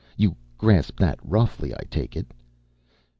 You grasp that roughly, I take it?"